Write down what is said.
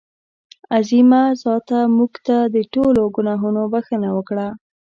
عظیمه ذاته مونږ ته د ټولو ګناهونو بښنه وکړه.